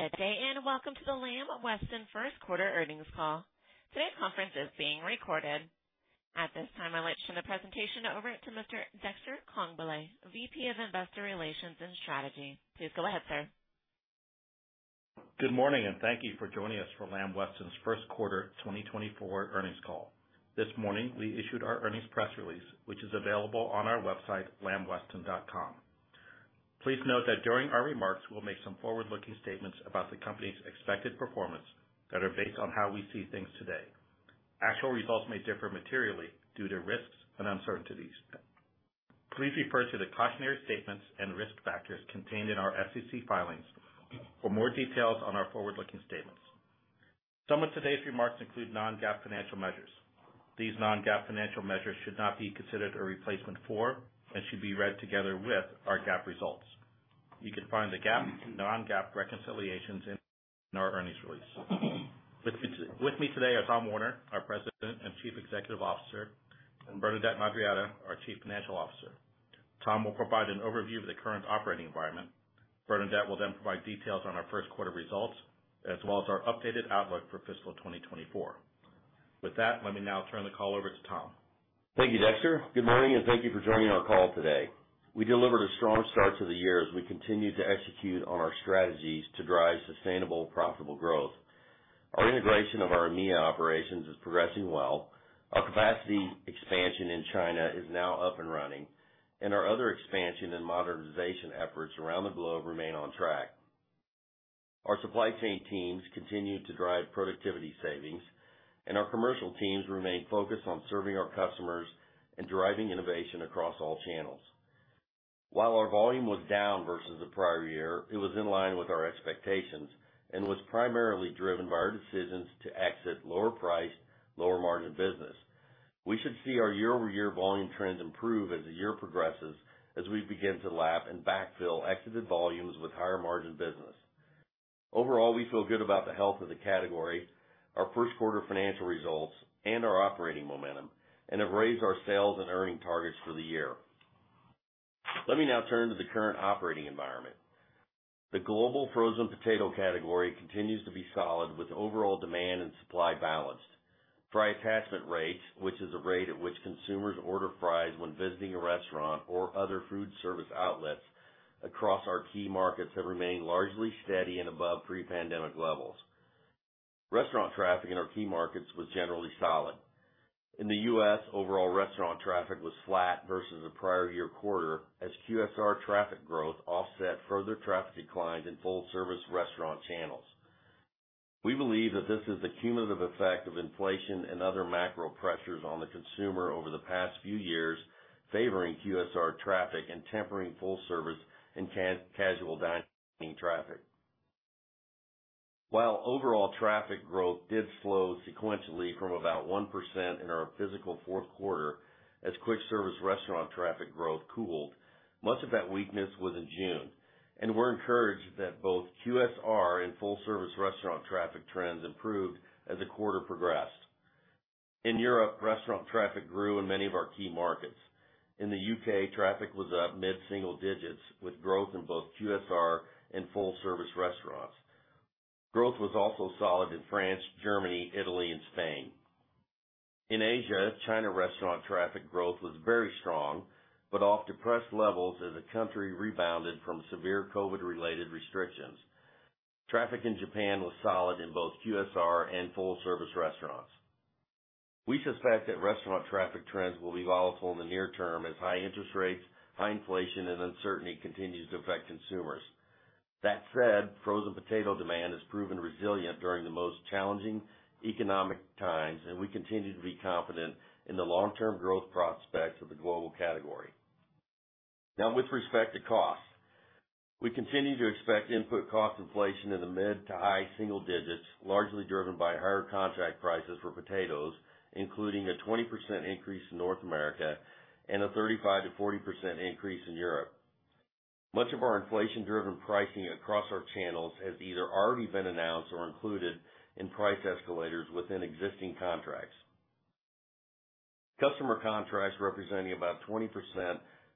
Good day, and welcome to the Lamb Weston first quarter earnings call. Today's conference is being recorded. At this time, I'd like to turn the presentation over to Mr. Dexter Congbalay, VP of Investor Relations and Strategy. Please go ahead, sir. Good morning, and thank you for joining us for Lamb Weston's first quarter 2024 earnings call. This morning, we issued our earnings press release, which is available on our website, lambweston.com. Please note that during our remarks, we'll make some forward-looking statements about the company's expected performance that are based on how we see things today. Actual results may differ materially due to risks and uncertainties. Please refer to the cautionary statements and risk factors contained in our SEC filings for more details on our forward-looking statements. Some of today's remarks include non-GAAP financial measures. These non-GAAP financial measures should not be considered a replacement for, and should be read together with, our GAAP results. You can find the GAAP and non-GAAP reconciliations in our earnings release. With me today are Tom Werner, our President and Chief Executive Officer, and Bernadette Madarieta, our Chief Financial Officer. Tom will provide an overview of the current operating environment. Bernadette will then provide details on our first quarter results, as well as our updated outlook for fiscal 2024. With that, let me now turn the call over to Tom. Thank you, Dexter. Good morning, and thank you for joining our call today. We delivered a strong start to the year as we continued to execute on our strategies to drive sustainable, profitable growth. Our integration of our EMEA operations is progressing well, our capacity expansion in China is now up and running, and our other expansion and modernization efforts around the globe remain on track. Our supply chain teams continue to drive productivity savings, and our commercial teams remain focused on serving our customers and driving innovation across all channels. While our volume was down versus the prior year, it was in line with our expectations and was primarily driven by our decisions to exit lower priced, lower margin business. We should see our year-over-year volume trends improve as the year progresses, as we begin to lap and backfill exited volumes with higher margin business. Overall, we feel good about the health of the category, our first quarter financial results, and our operating momentum, and have raised our sales and earning targets for the year. Let me now turn to the current operating environment. The global frozen potato category continues to be solid, with overall demand and supply balanced. Fry attachment rate, which is the rate at which consumers order fries when visiting a restaurant or other food service outlets across our key markets, have remained largely steady and above pre-pandemic levels. Restaurant traffic in our key markets was generally solid. In the U.S., overall restaurant traffic was flat versus the prior year quarter, as QSR traffic growth offset further traffic declines in full service restaurant channels. We believe that this is the cumulative effect of inflation and other macro pressures on the consumer over the past few years, favoring QSR traffic and tempering full service and casual dining traffic. While overall traffic growth did slow sequentially from about 1% in our fiscal fourth quarter, as quick service restaurant traffic growth cooled, much of that weakness was in June, and we're encouraged that both QSR and full service restaurant traffic trends improved as the quarter progressed. In Europe, restaurant traffic grew in many of our key markets. In the U.K., traffic was up mid-single digits, with growth in both QSR and full service restaurants. Growth was also solid in France, Germany, Italy, and Spain. In Asia, China restaurant traffic growth was very strong, but off depressed levels as the country rebounded from severe COVID-related restrictions. Traffic in Japan was solid in both QSR and full service restaurants. We suspect that restaurant traffic trends will be volatile in the near term as high interest rates, high inflation, and uncertainty continues to affect consumers. That said, frozen potato demand has proven resilient during the most challenging economic times, and we continue to be confident in the long-term growth prospects of the global category. Now, with respect to costs, we continue to expect input cost inflation in the mid- to high-single digits, largely driven by higher contract prices for potatoes, including a 20% increase in North America and a 35%-40% increase in Europe. Much of our inflation-driven pricing across our channels has either already been announced or included in price escalators within existing contracts. Customer contracts representing about 20%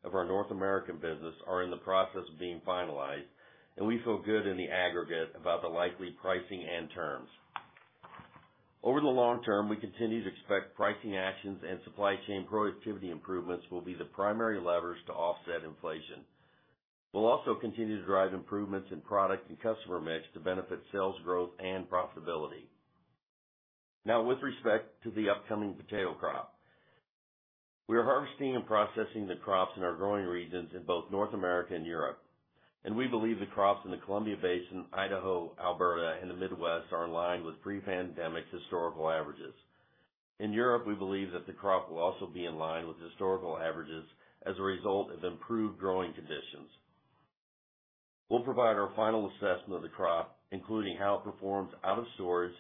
of our North American business are in the process of being finalized, and we feel good in the aggregate about the likely pricing and terms. Over the long term, we continue to expect pricing actions and supply chain productivity improvements will be the primary levers to offset inflation. We'll also continue to drive improvements in product and customer mix to benefit sales growth and profitability. Now, with respect to the upcoming potato crop, we are harvesting and processing the crops in our growing regions in both North America and Europe, and we believe the crops in the Columbia Basin, Idaho, Alberta, and the Midwest are in line with pre-pandemic historical averages. In Europe, we believe that the crop will also be in line with historical averages as a result of improved growing conditions. We'll provide our final assessment of the crop, including how it performs out of storage,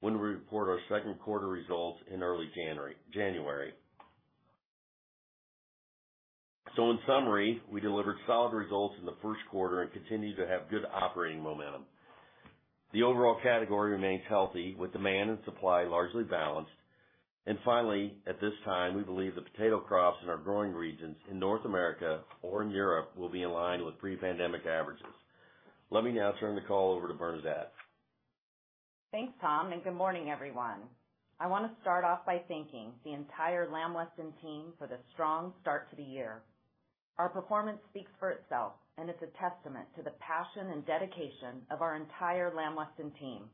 when we report our second quarter results in early January, January. So in summary, we delivered solid results in the first quarter and continue to have good operating momentum. The overall category remains healthy, with demand and supply largely balanced. And finally, at this time, we believe the potato crops in our growing regions in North America or in Europe will be in line with pre-pandemic averages. Let me now turn the call over to Bernadette. Thanks, Tom, and good morning, everyone. I wanna start off by thanking the entire Lamb Weston team for the strong start to the year. Our performance speaks for itself, and it's a testament to the passion and dedication of our entire Lamb Weston team.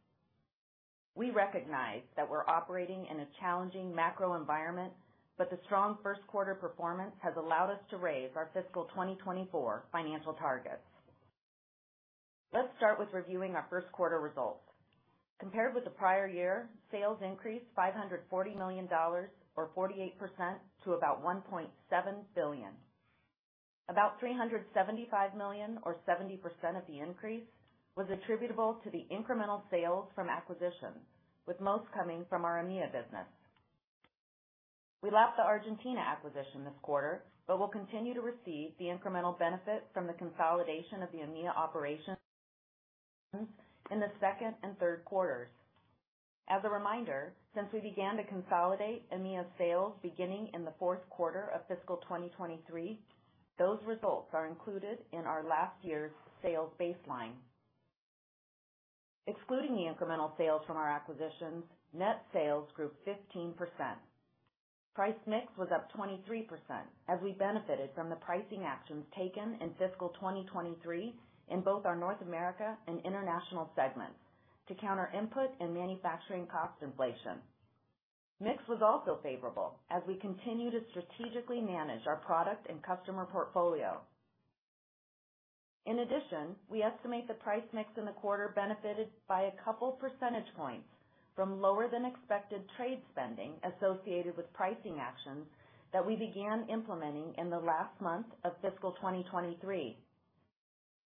We recognize that we're operating in a challenging macro environment, but the strong first quarter performance has allowed us to raise our fiscal 2024 financial targets. Let's start with reviewing our first quarter results. Compared with the prior year, sales increased $540 million, or 48%, to about $1.7 billion. About $375 million, or 70% of the increase, was attributable to the incremental sales from acquisitions, with most coming from our EMEA business. We lapped the Argentina acquisition this quarter, but we'll continue to receive the incremental benefit from the consolidation of the EMEA operations in the second and third quarters. As a reminder, since we began to consolidate EMEA sales beginning in the fourth quarter of fiscal 2023, those results are included in our last year's sales baseline. Excluding the incremental sales from our acquisitions, net sales grew 15%. Price mix was up 23% as we benefited from the pricing actions taken in fiscal 2023 in both our North America and International segments to counter input and manufacturing cost inflation. Mix was also favorable as we continue to strategically manage our product and customer portfolio. In addition, we estimate the price mix in the quarter benefited by a couple percentage points from lower-than-expected trade spending associated with pricing actions that we began implementing in the last month of fiscal 2023.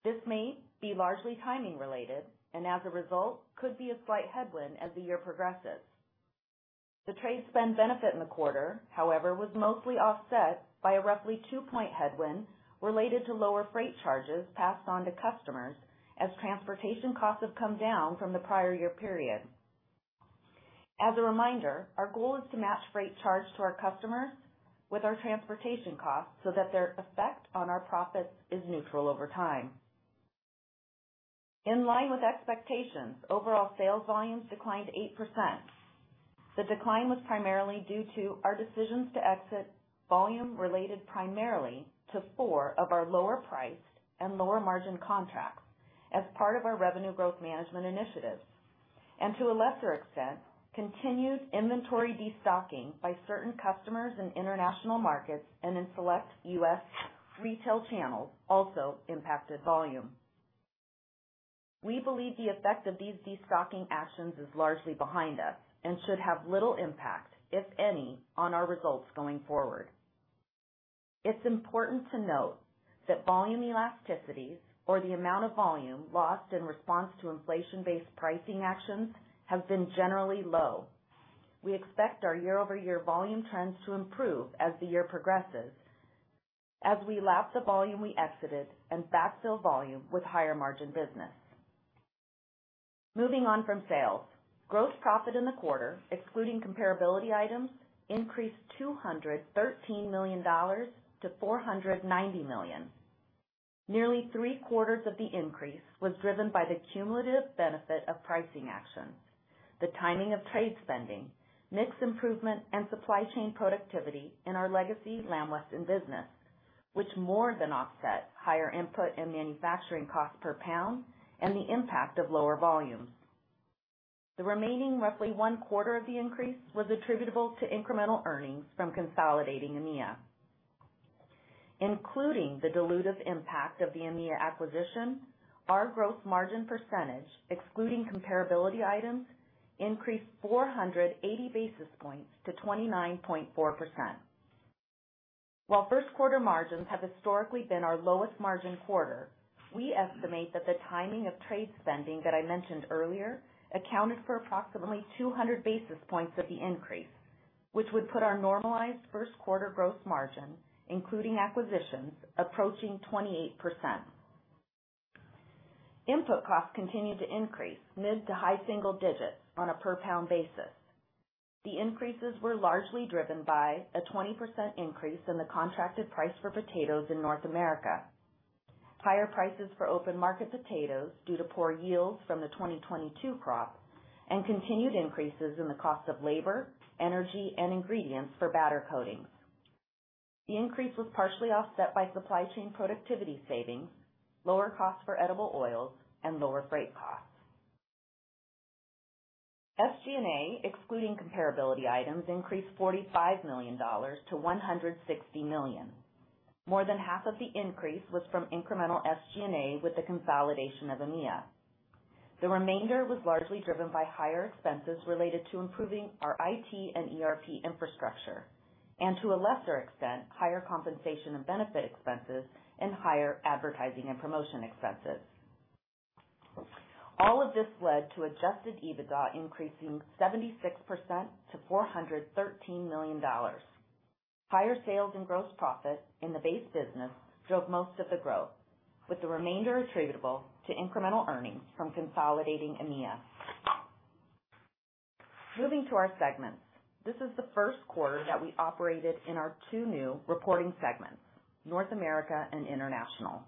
This may be largely timing related, and as a result, could be a slight headwind as the year progresses. The trade spend benefit in the quarter, however, was mostly offset by a roughly two-point headwind related to lower freight charges passed on to customers as transportation costs have come down from the prior year period. As a reminder, our goal is to match freight charge to our customers with our transportation costs so that their effect on our profits is neutral over time. In line with expectations, overall sales volumes declined 8%. The decline was primarily due to our decisions to exit volume related primarily to four of our lower priced and lower margin contracts as part of our revenue growth management initiatives. To a lesser extent, continued inventory destocking by certain customers in international markets and in select U.S. retail channels also impacted volume. We believe the effect of these destocking actions is largely behind us and should have little impact, if any, on our results going forward. It's important to note that volume elasticity, or the amount of volume lost in response to inflation-based pricing actions, have been generally low. We expect our year-over-year volume trends to improve as the year progresses as we lap the volume we exited and backfill volume with higher margin business. Moving on from sales. Gross profit in the quarter, excluding comparability items, increased $213 million to $490 million. Nearly 3/4 of the increase was driven by the cumulative benefit of pricing actions, the timing of trade spending, mix improvement, and supply chain productivity in our legacy Lamb Weston business, which more than offset higher input and manufacturing costs per pound and the impact of lower volumes. The remaining roughly one-quarter of the increase was attributable to incremental earnings from consolidating EMEA. Including the dilutive impact of the EMEA acquisition, our gross margin percentage, excluding comparability items, increased 480 basis points to 29.4%. While first quarter margins have historically been our lowest margin quarter, we estimate that the timing of trade spending that I mentioned earlier accounted for approximately 200 basis points of the increase, which would put our normalized first quarter gross margin, including acquisitions, approaching 28%. Input costs continued to increase mid- to high-single digits on a per pound basis. The increases were largely driven by a 20% increase in the contracted price for potatoes in North America, higher prices for open market potatoes due to poor yields from the 2022 crop, and continued increases in the cost of labor, energy, and ingredients for batter coatings. The increase was partially offset by supply chain productivity savings, lower costs for edible oils, and lower freight costs. SG&A, excluding comparability items, increased $45 million to $160 million. More than half of the increase was from incremental SG&A with the consolidation of EMEA. The remainder was largely driven by higher expenses related to improving our IT and ERP infrastructure, and to a lesser extent, higher compensation and benefit expenses and higher advertising and promotion expenses. All of this led to adjusted EBITDA increasing 76% to $413 million. Higher sales and gross profit in the base business drove most of the growth, with the remainder attributable to incremental earnings from consolidating EMEA. Moving to our segments, this is the first quarter that we operated in our two new reporting segments, North America and International.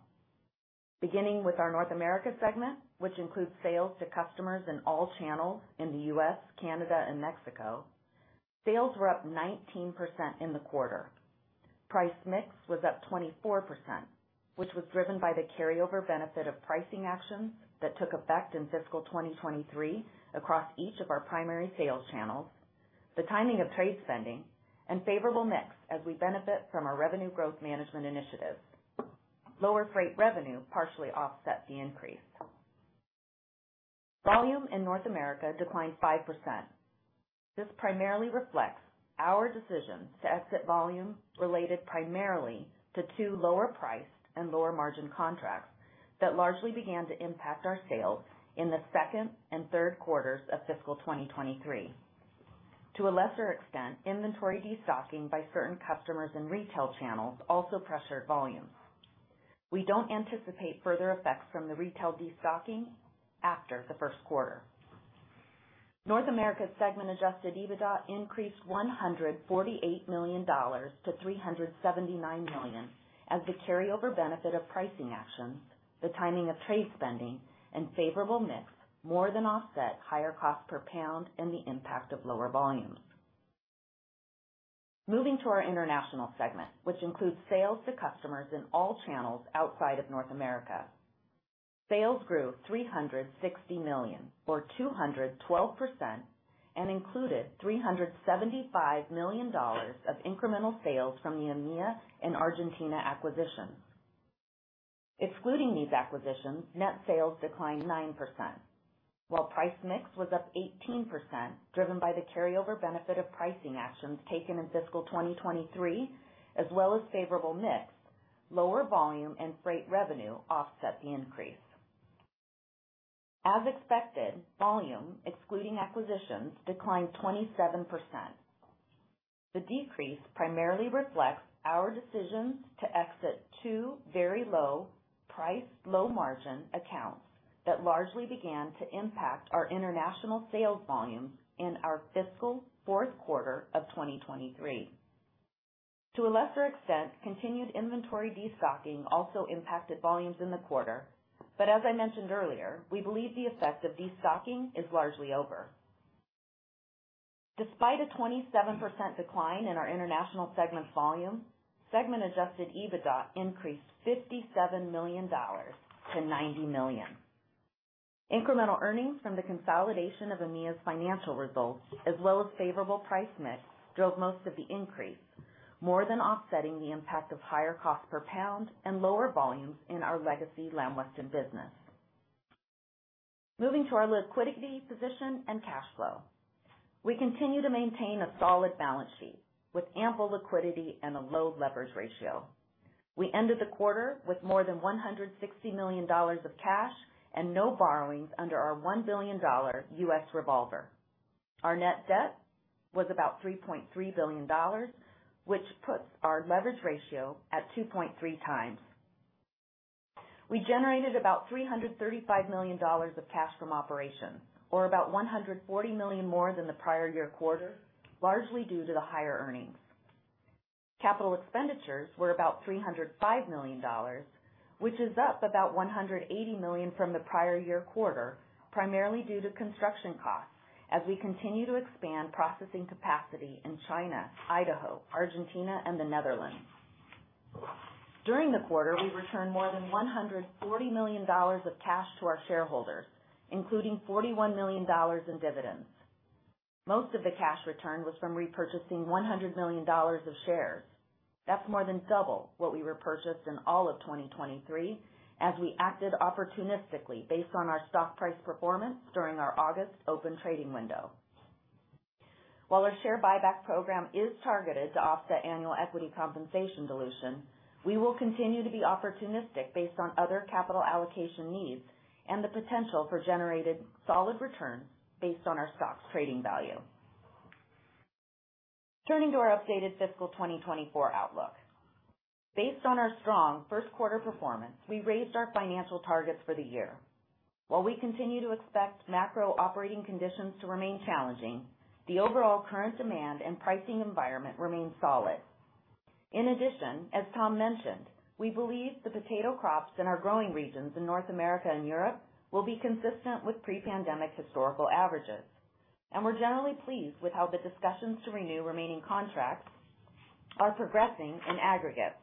Beginning with our North America segment, which includes sales to customers in all channels in the U.S., Canada, and Mexico, sales were up 19% in the quarter. Price mix was up 24%, which was driven by the carryover benefit of pricing actions that took effect in fiscal 2023 across each of our primary sales channels, the timing of trade spending, and favorable mix as we benefit from our revenue growth management initiatives. Lower freight revenue partially offset the increase. Volume in North America declined 5%. This primarily reflects our decision to exit volume related primarily to two lower priced and lower margin contracts that largely began to impact our sales in the second and third quarters of fiscal 2023. To a lesser extent, inventory destocking by certain customers in retail channels also pressured volumes. We don't anticipate further effects from the retail destocking after the first quarter. North America segment Adjusted EBITDA increased $148 million to $379 million, as the carryover benefit of pricing actions, the timing of trade spending, and favorable mix more than offset higher cost per pound and the impact of lower volumes. Moving to our International segment, which includes sales to customers in all channels outside of North America. Sales grew $360 million, or 212%, and included $375 million of incremental sales from the EMEA and Argentina acquisitions. Excluding these acquisitions, net sales declined 9%. While price mix was up 18%, driven by the carryover benefit of pricing actions taken in fiscal 2023, as well as favorable mix, lower volume and freight revenue offset the increase. As expected, volume, excluding acquisitions, declined 27%. The decrease primarily reflects our decisions to exit two very low price, low margin accounts that largely began to impact our international sales volume in our fiscal fourth quarter of 2023. To a lesser extent, continued inventory destocking also impacted volumes in the quarter, but as I mentioned earlier, we believe the effect of destocking is largely over. Despite a 27% decline in our International segment volume, segment adjusted EBITDA increased $57 million to $90 million. Incremental earnings from the consolidation of EMEA's financial results, as well as favorable price mix, drove most of the increase, more than offsetting the impact of higher cost per pound and lower volumes in our legacy Lamb Weston business. Moving to our liquidity position and cash flow. We continue to maintain a solid balance sheet with ample liquidity and a low leverage ratio. We ended the quarter with more than $160 million of cash and no borrowings under our $1 billion U.S. revolver. Our net debt was about $3.3 billion, which puts our leverage ratio at 2.3x. We generated about $335 million of cash from operations, or about $140 million more than the prior year quarter, largely due to the higher earnings. Capital expenditures were about $305 million, which is up about $180 million from the prior year quarter, primarily due to construction costs as we continue to expand processing capacity in China, Idaho, Argentina, and the Netherlands. During the quarter, we returned more than $140 million of cash to our shareholders, including $41 million in dividends. Most of the cash returned was from repurchasing $100 million of shares. That's more than double what we repurchased in all of 2023, as we acted opportunistically based on our stock price performance during our August open trading window. While our share buyback program is targeted to offset annual equity compensation dilution, we will continue to be opportunistic based on other capital allocation needs and the potential for generated solid returns based on our stock's trading value. Turning to our updated fiscal 2024 outlook. Based on our strong first quarter performance, we raised our financial targets for the year. While we continue to expect macro operating conditions to remain challenging, the overall current demand and pricing environment remains solid. In addition, as Tom mentioned, we believe the potato crops in our growing regions in North America and Europe will be consistent with pre-pandemic historical averages, and we're generally pleased with how the discussions to renew remaining contracts are progressing in aggregate.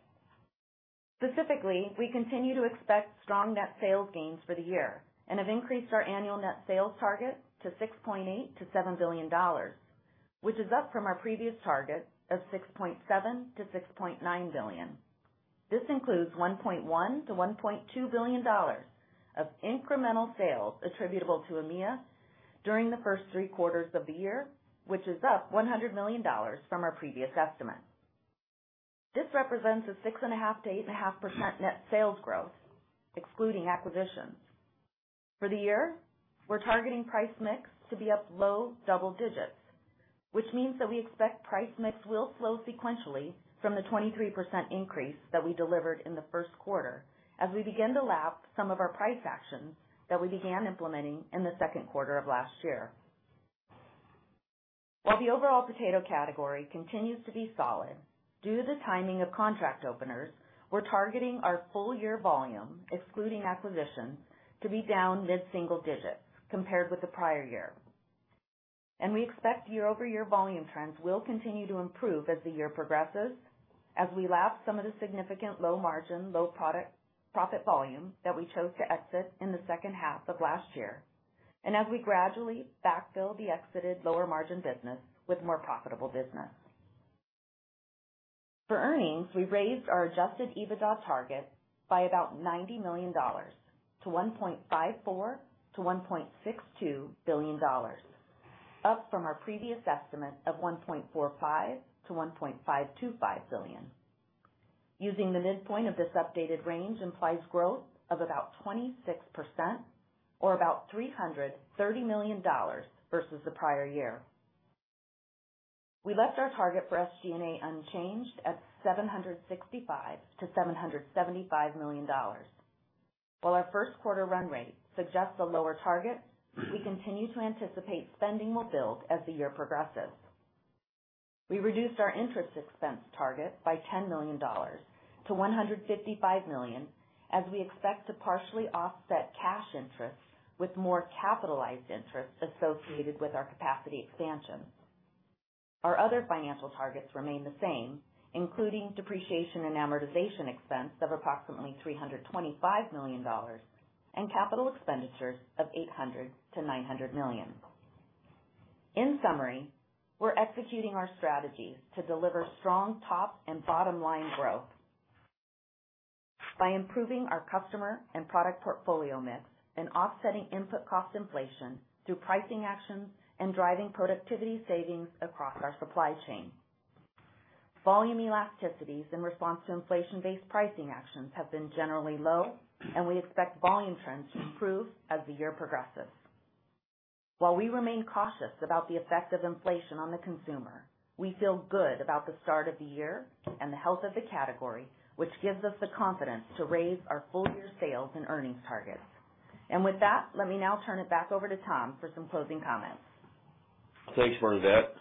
Specifically, we continue to expect strong net sales gains for the year and have increased our annual net sales target to $6.8 billion-$7 billion, which is up from our previous target of $6.7 billion-$6.9 billion. This includes $1.1 billion-$1.2 billion of incremental sales attributable to EMEA during the first three quarters of the year, which is up $100 million from our previous estimate. This represents a 6.5%-8.5% net sales growth, excluding acquisitions. For the year, we're targeting price mix to be up low double digits, which means that we expect price mix will slow sequentially from the 23% increase that we delivered in the first quarter as we begin to lap some of our price actions that we began implementing in the second quarter of last year. While the overall potato category continues to be solid, due to the timing of contract openers, we're targeting our full year volume, excluding acquisitions, to be down mid-single digits compared with the prior year. We expect year-over-year volume trends will continue to improve as the year progresses, as we lap some of the significant low-margin, low-profit volume that we chose to exit in the second half of last year, and as we gradually backfill the exited lower margin business with more profitable business. For earnings, we raised our Adjusted EBITDA target by about $90 million to $1.54 billion-$1.62 billion, up from our previous estimate of $1.45 billion-$1.525 billion. Using the midpoint of this updated range implies growth of about 26% or about $330 million versus the prior year. We left our target for SG&A unchanged at $765 million-$775 million. While our first quarter run rate suggests a lower target, we continue to anticipate spending will build as the year progresses. We reduced our interest expense target by $10 million to $155 million, as we expect to partially offset cash interest with more capitalized interest associated with our capacity expansion. Our other financial targets remain the same, including depreciation and amortization expense of approximately $325 million and capital expenditures of $800 million-$900 million. In summary, we're executing our strategy to deliver strong top and bottom line growth by improving our customer and product portfolio mix and offsetting input cost inflation through pricing actions and driving productivity savings across our supply chain. Volume elasticities in response to inflation-based pricing actions have been generally low, and we expect volume trends to improve as the year progresses. While we remain cautious about the effect of inflation on the consumer, we feel good about the start of the year and the health of the category, which gives us the confidence to raise our full year sales and earnings targets. With that, let me now turn it back over to Tom for some closing comments. Thanks, Bernadette.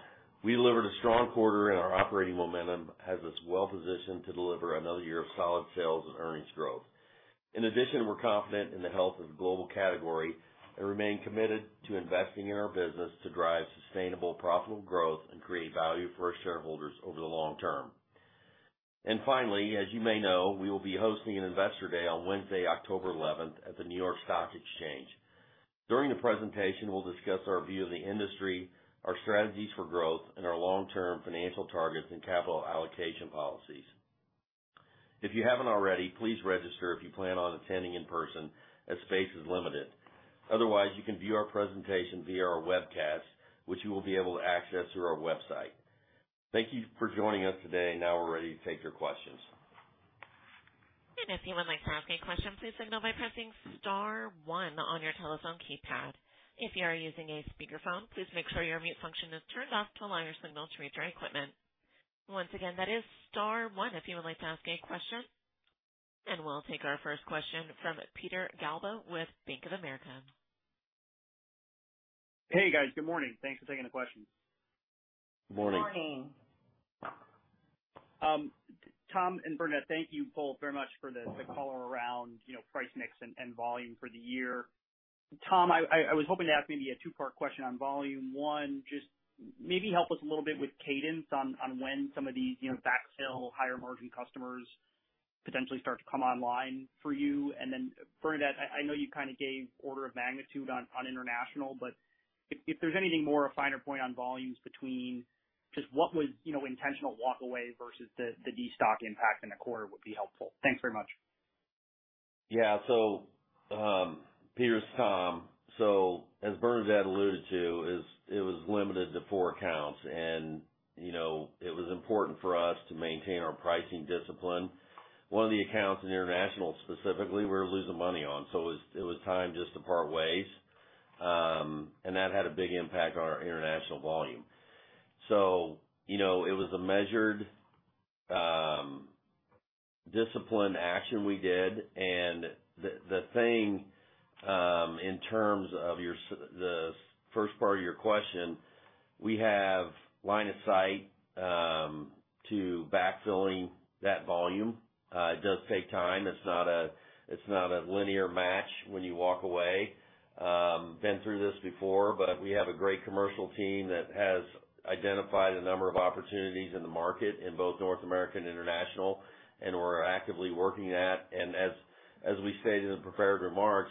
We delivered a strong quarter, and our operating momentum has us well positioned to deliver another year of solid sales and earnings growth. In addition, we're confident in the health of the global category and remain committed to investing in our business to drive sustainable, profitable growth and create value for our shareholders over the long term. Finally, as you may know, we will be hosting an Investor Day on Wednesday, October 11th, at the New York Stock Exchange. During the presentation, we'll discuss our view of the industry, our strategies for growth, and our long-term financial targets and capital allocation policies. If you haven't already, please register if you plan on attending in person, as space is limited. Otherwise, you can view our presentation via our webcast, which you will be able to access through our website. Thank you for joining us today. Now we're ready to take your questions. If you would like to ask a question, please signal by pressing star one on your telephone keypad. If you are using a speakerphone, please make sure your mute function is turned off to allow your signal to reach our equipment. Once again, that is star one if you would like to ask a question. We'll take our first question from Peter Galbo with Bank of America. Hey, guys. Good morning. Thanks for taking the questions. Good morning. Morning. Tom and Bernadette, thank you both very much for the color around, you know, price mix and volume for the year. Tom, I was hoping to ask maybe a two-part question on volume. One, just maybe help us a little bit with cadence on when some of these, you know, backfill, higher margin customers potentially start to come online for you. And then, Bernadette, I know you kind of gave order of magnitude on international, but if there's anything more, a finer point on volumes between just what was, you know, intentional walk away versus the destock impact in the quarter would be helpful. Thanks very much. Yeah. So, Peter, it's Tom. So as Bernadette alluded to, it was limited to four accounts, and, you know, it was important for us to maintain our pricing discipline. One of the accounts in international, specifically, we were losing money on, so it was time just to part ways. And that had a big impact on our international volume. So, you know, it was a measured, discipline action we did. And the thing in terms of the first part of your question, we have line of sight to backfilling that volume. It does take time. It's not a linear match when you walk away. Been through this before, but we have a great commercial team that has identified a number of opportunities in the market in both North America and international, and we're actively working that. And as we stated in the prepared remarks,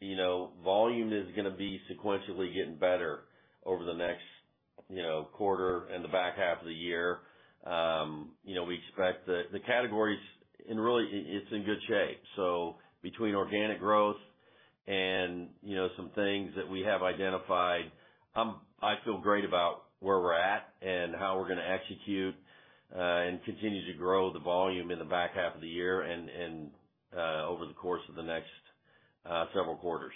you know, volume is gonna be sequentially getting better over the next, you know, quarter and the back half of the year. You know, we expect the categories and really it, it's in good shape. So between organic growth... and, you know, some things that we have identified, I feel great about where we're at and how we're gonna execute, and continue to grow the volume in the back half of the year and, over the course of the next, several quarters.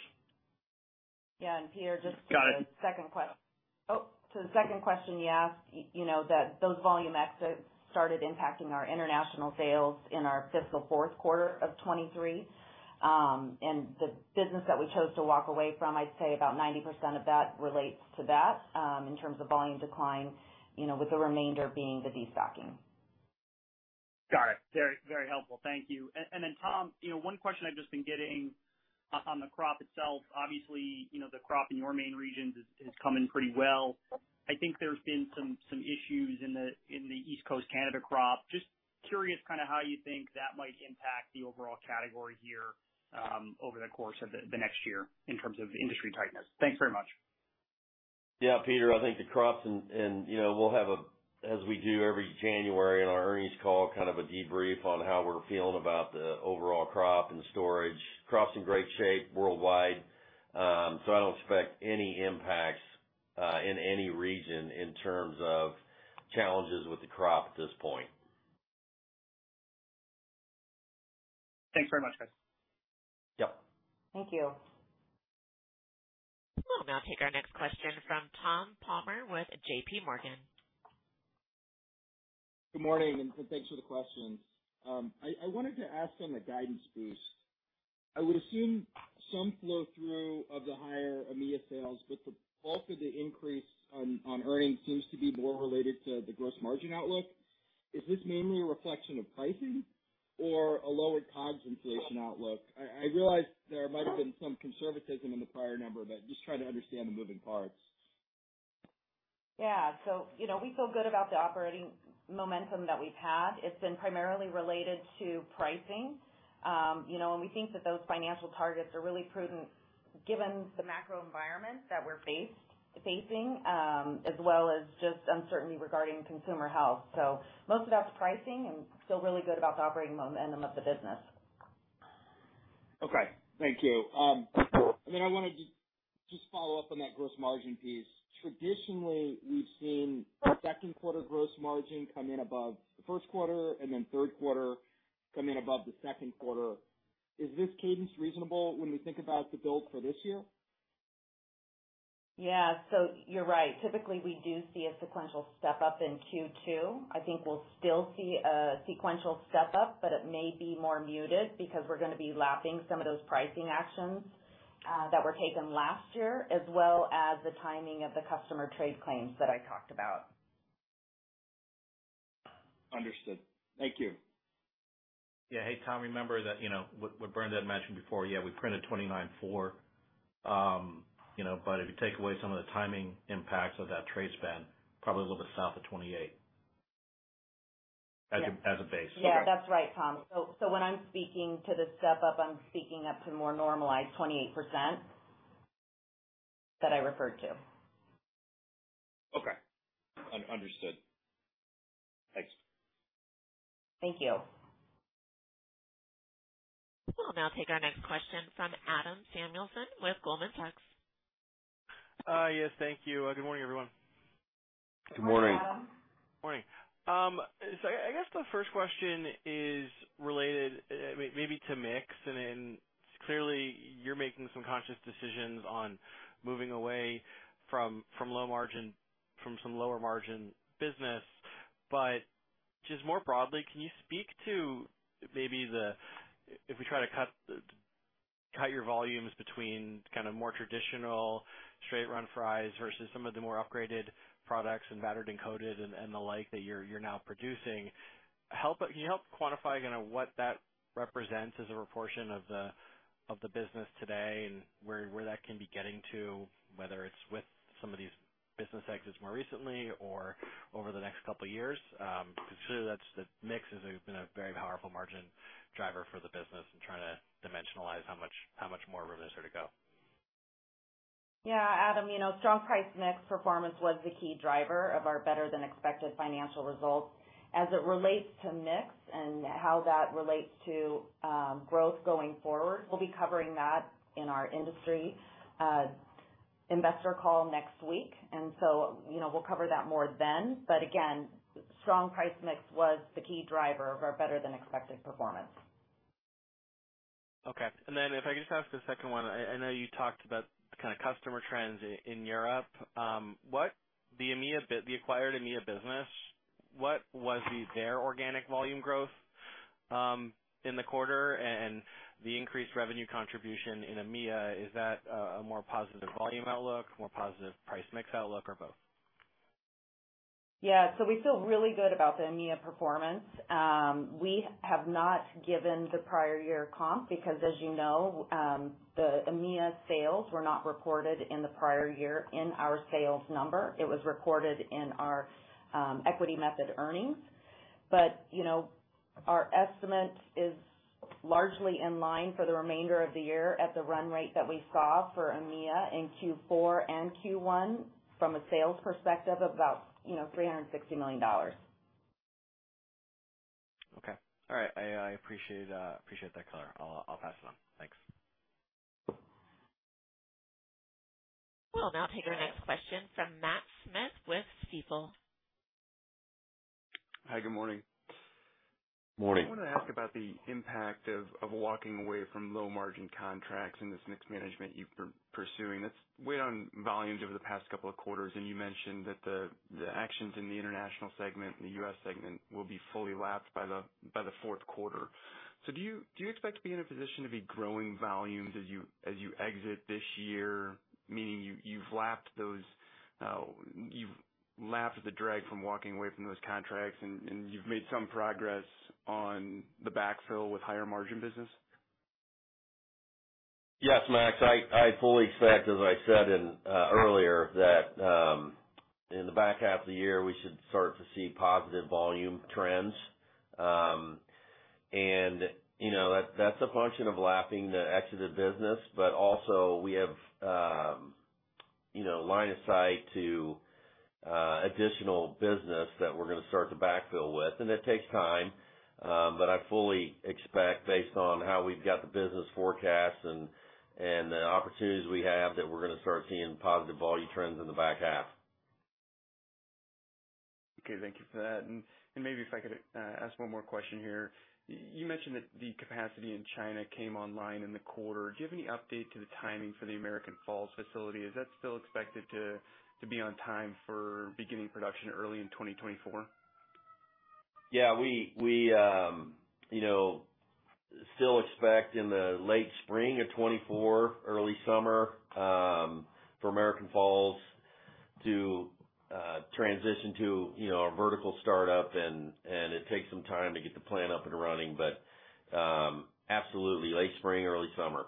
Yeah, and Peter, just- Got it. So the second question you asked, you know, that those volume exits started impacting our international sales in our fiscal fourth quarter of 2023. And the business that we chose to walk away from, I'd say about 90% of that relates to that, in terms of volume decline, you know, with the remainder being the destocking. Got it. Very, very helpful. Thank you. And then, Tom, you know, one question I've just been getting on the crop itself. Obviously, you know, the crop in your main regions is coming pretty well. I think there's been some issues in the East Coast Canada crop. Just curious kind of how you think that might impact the overall category here over the course of the next year in terms of industry tightness. Thanks very much. Yeah, Peter, I think the crops and, you know, we'll have a, as we do every January on our earnings call, kind of a debrief on how we're feeling about the overall crop and storage. Crop's in great shape worldwide, so I don't expect any impacts in any region in terms of challenges with the crop at this point. Thanks very much, guys. Yep. Thank you. We'll now take our next question from Tom Palmer with JPMorgan. Good morning, and thanks for the questions. I wanted to ask on the guidance boost. I would assume some flow through of the higher EMEA sales, but the bulk of the increase on earnings seems to be more related to the gross margin outlook. Is this mainly a reflection of pricing or a lower COGS inflation outlook? I realize there might have been some conservatism in the prior number, but just trying to understand the moving parts. Yeah. So, you know, we feel good about the operating momentum that we've had. It's been primarily related to pricing. You know, and we think that those financial targets are really prudent given the macro environment that we're facing, as well as just uncertainty regarding consumer health. So most of that's pricing and still really good about the operating momentum of the business. Okay. Thank you. And then I wanted to just follow up on that gross margin piece. Traditionally, we've seen second quarter gross margin come in above the first quarter and then third quarter come in above the second quarter. Is this cadence reasonable when we think about the build for this year? Yeah. So you're right. Typically, we do see a sequential step up in Q2. I think we'll still see a sequential step up, but it may be more muted because we're gonna be lapping some of those pricing actions that were taken last year, as well as the timing of the customer trade claims that I talked about. Understood. Thank you. Yeah. Hey, Tom, remember that, you know, what, what Brenda had mentioned before, yeah, we printed 29.4%. You know, but if you take away some of the timing impacts of that trade spend, probably a little bit south of 28%- Yeah. as a base. Yeah, that's right, Tom. So, so when I'm speaking to the step-up, I'm speaking up to more normalized 28% that I referred to. Okay. Understood. Thanks. Thank you. We'll now take our next question from Adam Samuelson with Goldman Sachs. Yes, thank you. Good morning, everyone. Good morning. Good morning, Adam. Morning. So I guess the first question is related, maybe to mix, and then clearly you're making some conscious decisions on moving away from low margin, from some lower margin business. But just more broadly, can you speak to maybe the... If we try to cut your volumes between kind of more traditional straight run fries versus some of the more upgraded products and battered and coated and the like that you're now producing. Can you help quantify kind of what that represents as a proportion of the business today and where that can be getting to, whether it's with some of these business exits more recently or over the next couple years? Because clearly, that's the mix has been a very powerful margin driver for the business and trying to dimensionalize how much, how much more room is there to go. Yeah, Adam, you know, strong price mix performance was the key driver of our better than expected financial results. As it relates to mix and how that relates to growth going forward, we'll be covering that in our industry Investor Call next week, and so, you know, we'll cover that more then. But again, strong price mix was the key driver of our better than expected performance. Okay. If I could just ask the second one. I know you talked about the kind of customer trends in Europe. With the EMEA, the acquired EMEA business, what was their organic volume growth in the quarter and the increased revenue contribution in EMEA? Is that a more positive volume outlook, more positive price mix outlook, or both? Yeah, so we feel really good about the EMEA performance. We have not given the prior year comp, because, as you know, the EMEA sales were not reported in the prior year in our sales number. It was recorded in our equity method earnings. But, you know, our estimate is largely in line for the remainder of the year at the run rate that we saw for EMEA in Q4 and Q1, from a sales perspective, about, you know, $360 million. Okay. All right. I appreciate that color. I'll pass it on. Thanks. We'll now take our next question from Matt Smith with Stifel. Hi, good morning. Morning. I wanna ask about the impact of walking away from low margin contracts and this mix management you've been pursuing. It's weighed on volumes over the past couple of quarters, and you mentioned that the actions in the International segment and the U.S. segment will be fully lapped by the fourth quarter. So do you expect to be in a position to be growing volumes as you exit this year? Meaning you've lapped those, you've lapped the drag from walking away from those contracts and you've made some progress on the backfill with higher margin business? Yes, Matt, I fully expect, as I said earlier, that in the back half of the year, we should start to see positive volume trends. And, you know, that's a function of lapping the exited business, but also we have, you know, line of sight to additional business that we're gonna start to backfill with. And that takes time, but I fully expect, based on how we've got the business forecast and the opportunities we have, that we're gonna start seeing positive volume trends in the back half. Okay. Thank you for that. And maybe if I could ask one more question here. You mentioned that the capacity in China came online in the quarter. Do you have any update to the timing for the American Falls facility? Is that still expected to be on time for beginning production early in 2024? Yeah, we, you know, still expect in the late spring of 2024, early summer, for American Falls to transition to, you know, our vertical startup, and it takes some time to get the plant up and running, but absolutely late spring, early summer.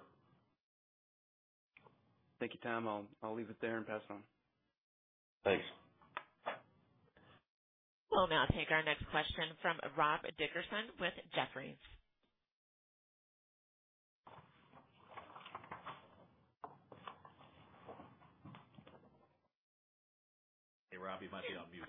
Thank you, Tom. I'll leave it there and pass it on. Thanks. We'll now take our next question from Rob Dickerson with Jefferies. Hey, Rob, you might be on mute.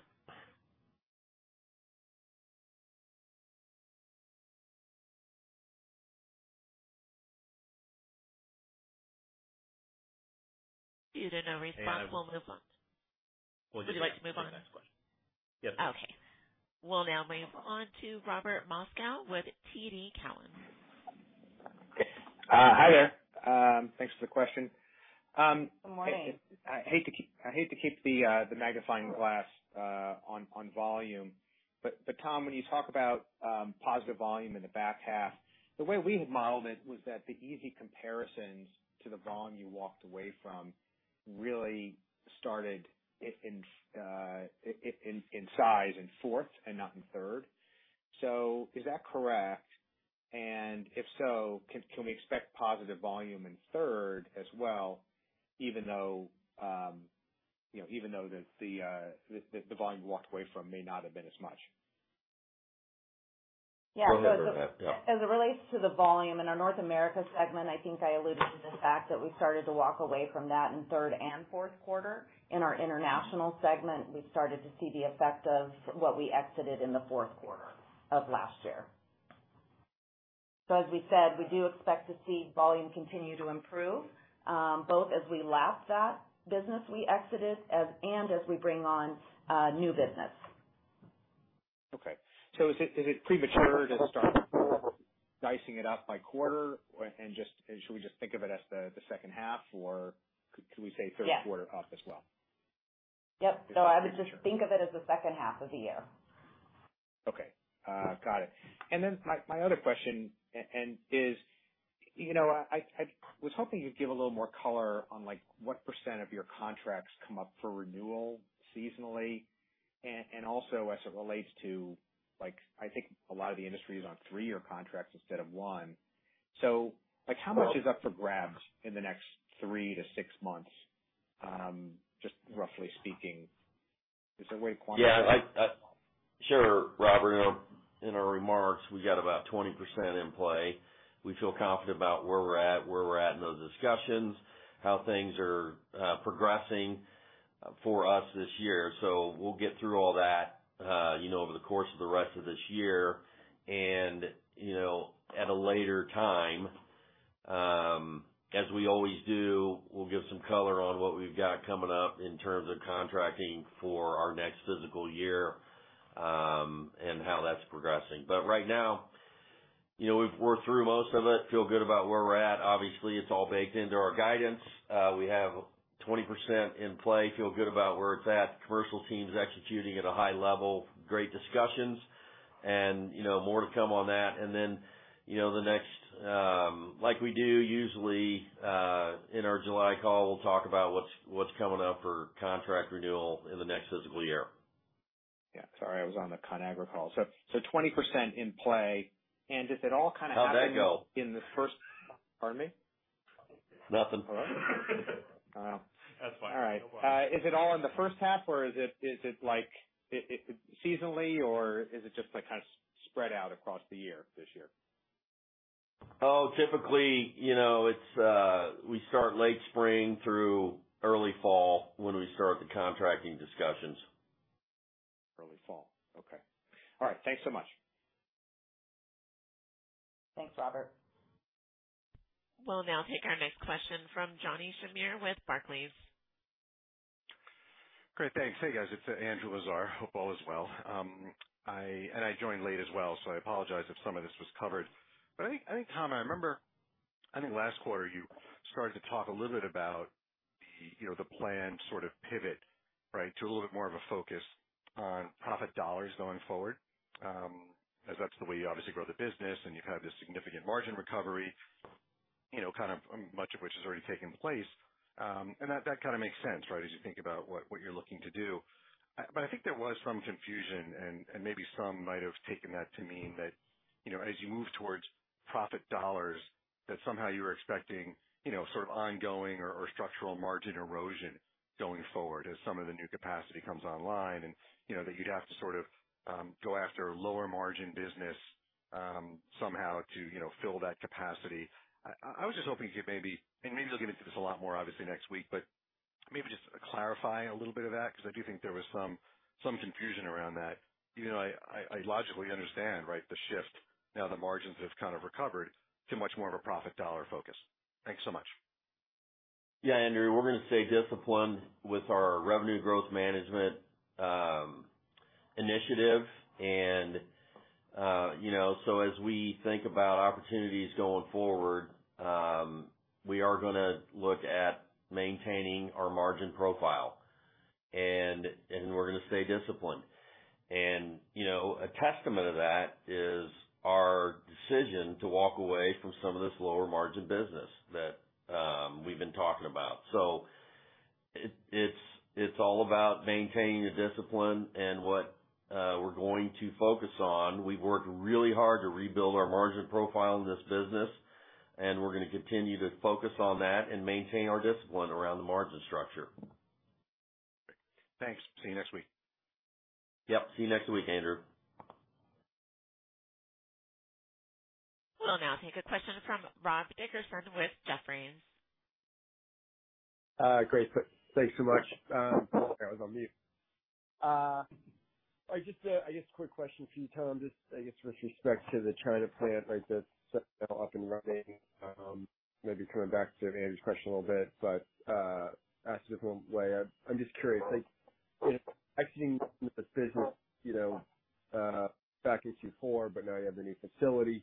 Due to no response, we'll move on. Well- Would you like to move on? The next question. Yep. Okay. We'll now move on to Robert Moskow with TD Cowen. Hi there. Thanks for the question. Good morning. I hate to keep the magnifying glass on volume, but Tom, when you talk about positive volume in the back half, the way we had modeled it was that the easy comparisons to the volume you walked away from really started in size in fourth and not in third. So is that correct? And if so, can we expect positive volume in third as well, even though you know even though the volume you walked away from may not have been as much? Yeah. We'll never have, yeah. As it relates to the volume in our North America segment, I think I alluded to the fact that we started to walk away from that in third and fourth quarter. In our International segment, we started to see the effect of what we exited in the fourth quarter of last year. So as we said, we do expect to see volume continue to improve, both as we lap that business we exited and as we bring on new business. Okay, so is it premature to start dicing it up by quarter, and should we just think of it as the second half, or can we say- Yeah third quarter off as well? Yep. I would just think of it as the second half of the year. Okay. Got it. And then my other question and is, you know, I was hoping you'd give a little more color on, like, what percent of your contracts come up for renewal seasonally, and also as it relates to, like, I think a lot of the industry is on three-year contracts instead of one. So, like, how much is up for grabs in the next three to six months, just roughly speaking, is there a way to quantify that? Yeah, Sure, Robert. In our remarks, we got about 20% in play. We feel confident about where we're at in those discussions, how things are progressing for us this year. So we'll get through all that, you know, over the course of the rest of this year. And, you know, at a later time, as we always do, we'll give some color on what we've got coming up in terms of contracting for our next fiscal year, and how that's progressing. But right now, you know, we've worked through most of it, feel good about where we're at. Obviously, it's all baked into our guidance. We have 20% in play, feel good about where it's at. Commercial team is executing at a high level, great discussions and, you know, more to come on that. Then, you know, the next, like we do usually, in our July call, we'll talk about what's coming up for contract renewal in the next fiscal year. Yeah. Sorry, I was on the Conagra call. So, 20% in play, and does it all kind of happen- How'd that go? Pardon me? Nothing. Oh. That's fine. All right. No problem. Is it all in the first half, or is it like seasonally, or is it just like kind of spread out across the year this year? Oh, typically, you know, it's we start late spring through early fall when we start the contracting discussions. Early fall. Okay. All right. Thanks so much. Thanks, Robert. We'll now take our next question from Johnny Shamir with Barclays. Great. Thanks. Hey, guys, it's Andrew Lazar. Hope all is well. And I joined late as well, so I apologize if some of this was covered. But I think, I think, Tom, I remember, I think last quarter you started to talk a little bit about the, you know, the planned sort of pivot, right? To a little bit more of a focus on profit dollars going forward, as that's the way you obviously grow the business and you've had this significant margin recovery, you know, kind of much of which has already taken place. And that, that kind of makes sense, right, as you think about what, what you're looking to do. But I think there was some confusion, and maybe some might have taken that to mean that, you know, as you move towards profit dollars, that somehow you were expecting, you know, sort of ongoing or structural margin erosion going forward as some of the new capacity comes online, and, you know, that you'd have to sort of go after lower margin business, somehow to, you know, fill that capacity. I was just hoping you'd maybe, and maybe you'll get into this a lot more, obviously, next week, but maybe just clarify a little bit of that, because I do think there was some confusion around that. You know, I logically understand, right, the shift now the margins have kind of recovered to much more of a profit dollar focus. Thanks so much. Yeah, Andrew, we're going to stay disciplined with our revenue growth management initiative. And, you know, so as we think about opportunities going forward, we are gonna look at maintaining our margin profile, and, and we're gonna stay disciplined. And, you know, a testament to that is our decision to walk away from some of this lower margin business that we've been talking about. So it's all about maintaining the discipline and what we're going to focus on. We've worked really hard to rebuild our margin profile in this business, and we're gonna continue to focus on that and maintain our discipline around the margin structure. Thanks. See you next week. Yep, see you next week, Andrew. We'll now take a question from Rob Dickerson with Jefferies. Great. Thanks so much. I was on mute. I just, I guess quick question for you, Tom, just I guess with respect to the China plant, right, that's up and running. Maybe coming back to Andy's question a little bit, but, asked a different way. I'm just curious, like, exiting the business, you know, back in 2024, but now you have a new facility.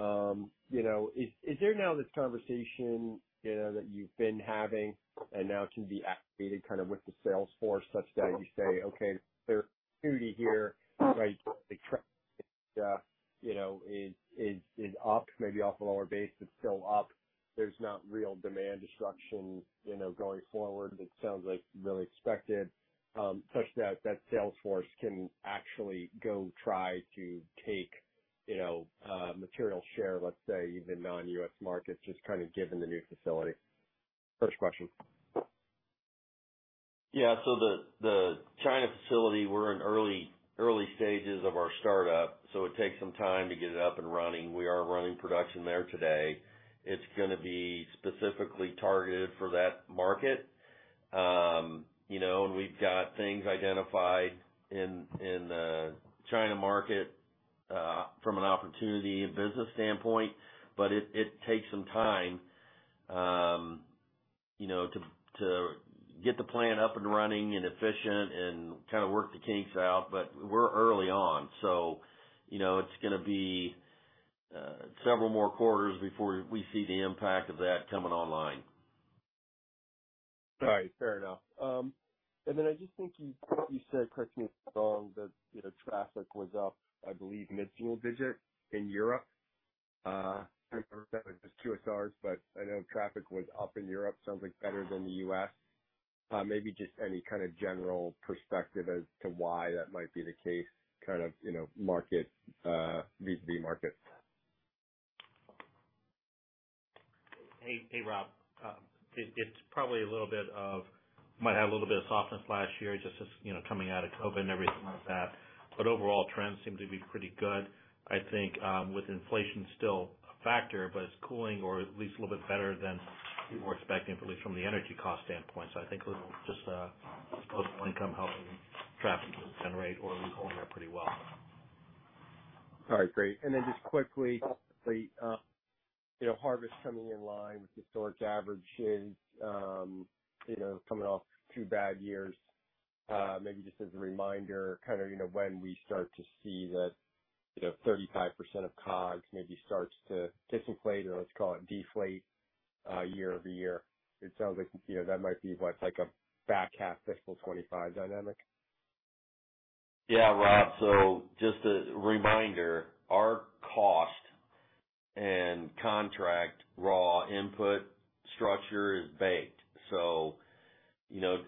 You know, is, is there now this conversation, you know, that you've been having and now to be activated kind of with the sales force, such that you say, okay, there's opportunity here, right? You know, it is, is up, maybe off a lower base, it's still up. There's not real demand destruction, you know, going forward. It sounds like really expected, such that that sales force can actually go try to take, you know, material share, let's say, even non-U.S. markets, just kind of given the new facility. First question. Yeah, so the China facility, we're in early stages of our startup, so it takes some time to get it up and running. We are running production there today. It's gonna be specifically targeted for that market. You know, and we've got things identified in the China market from an opportunity and business standpoint, but it takes some time to get the plant up and running and efficient and kind of work the kinks out. But we're early on, so you know, it's gonna be several more quarters before we see the impact of that coming online. All right. Fair enough. And then I just think you, you said, correct me if I'm wrong, that, you know, traffic was up, I believe, mid-single digit in Europe. Just two QSRs, but I know traffic was up in Europe, sounds like better than the U.S. Maybe just any kind of general perspective as to why that might be the case, kind of, you know, market, the markets. Hey, hey, Rob. It's probably a little bit of... Might have a little bit of softness last year, just as, you know, coming out of COVID and everything like that. But overall, trends seem to be pretty good. I think, with inflation still a factor, but it's cooling or at least a little bit better than we were expecting, at least from the energy cost standpoint. So I think just, personal income helping traffic generate or we're holding up pretty well. All right, great. And then just quickly, you know, harvest coming in line with historic averages, you know, coming off two bad years, maybe just as a reminder, kind of, you know, when we start to see that, you know, 35% of COGS maybe starts to disinflate or let's call it deflate, year-over-year. It sounds like, you know, that might be what, like a back half fiscal 2025 dynamic? Yeah, Rob, so just a reminder, our cost and contract raw input structure is baked. So you know,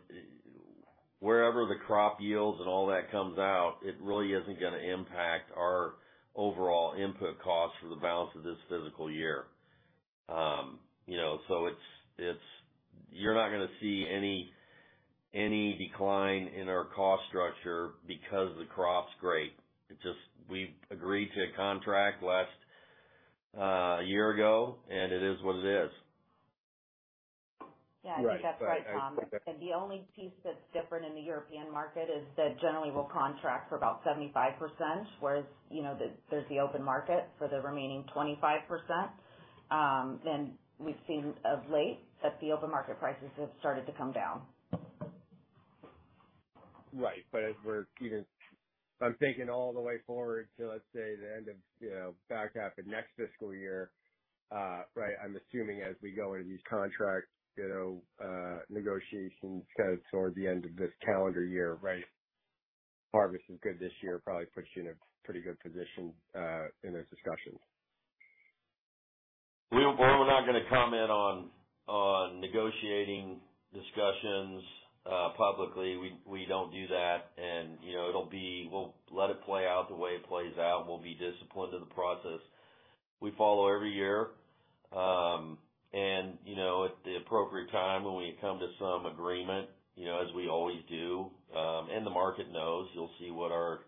wherever the crop yields and all that comes out, it really isn't gonna impact our overall input costs for the balance of this fiscal year. You know, so it's you're not gonna see any decline in our cost structure because the crop's great. It's just, we agreed to a contract last year ago, and it is what it is. Yeah, I think that's right, Rob. And the only piece that's different in the European market is that generally we'll contract for about 75%, whereas, you know, there's the open market for the remaining 25%. Then we've seen of late that the open market prices have started to come down. Right. But as we're, you know, I'm thinking all the way forward to, let's say, the end of, you know, back half of next fiscal year, right? I'm assuming as we go into these contract, you know, negotiations kind of toward the end of this calendar year, right? Harvest is good this year, probably puts you in a pretty good position in those discussions. We're not gonna comment on negotiating discussions publicly. We don't do that, and you know, it'll be. We'll let it play out the way it plays out. We'll be disciplined in the process. We follow every year, and you know, at the appropriate time, when we come to some agreement, you know, as we always do, and the market knows, you'll see what our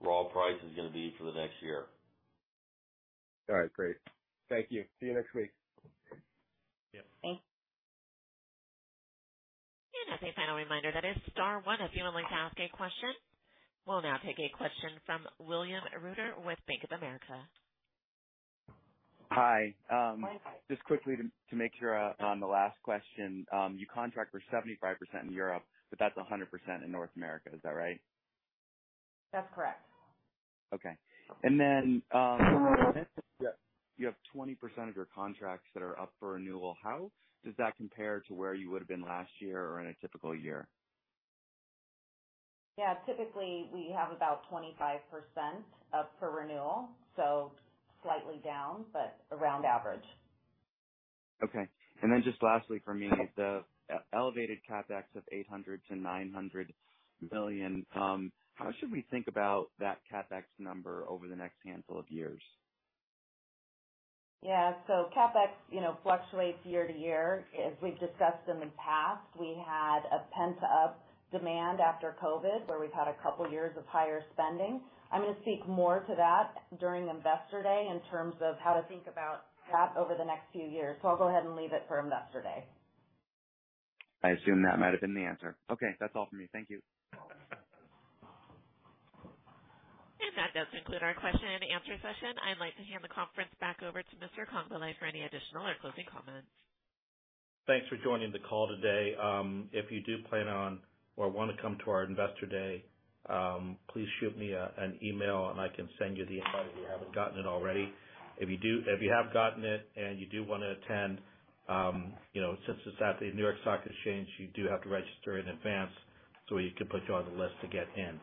raw price is gonna be for the next year. All right, great. Thank you. See you next week. Yeah. Thanks. As a final reminder, that is star one if you would like to ask a question. We'll now take a question from William Reuter with Bank of America. Hi. Just quickly to make sure, on the last question, you contract for 75% in Europe, but that's 100% in North America. Is that right? That's correct. Okay, and then, you have 20% of your contracts that are up for renewal. How does that compare to where you would have been last year or in a typical year? Yeah, typically, we have about 25% up for renewal, so slightly down, but around average. Okay. And then just lastly for me, the elevated CapEx of $800 million-$900 million, how should we think about that CapEx number over the next handful of years? Yeah, so CapEx, you know, fluctuates year to year. As we've discussed in the past, we had a pent-up demand after COVID, where we've had a couple years of higher spending. I'm gonna speak more to that during Investor Day in terms of how to think about that over the next few years. So I'll go ahead and leave it for Investor Day. I assume that might have been the answer. Okay, that's all for me. Thank you. That does conclude our question and answer session. I'd like to hand the conference back over to Mr. Congbalay for any additional or closing comments. Thanks for joining the call today. If you do plan on or want to come to our Investor Day, please shoot me an email, and I can send you the invite if you haven't gotten it already. If you do... If you have gotten it and you do want to attend, you know, since it's at the New York Stock Exchange, you do have to register in advance, so we can put you on the list to get in.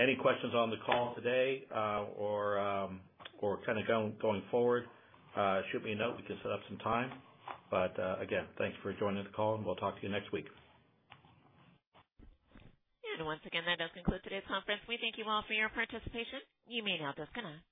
Any questions on the call today, or, or kind of going forward, shoot me a note. We can set up some time. But, again, thanks for joining the call, and we'll talk to you next week. Once again, that does conclude today's conference. We thank you all for your participation. You may now disconnect.